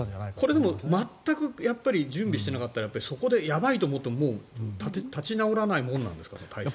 でも全く準備してなかったらそこで、やばいと思って立ち直らないものなんですか？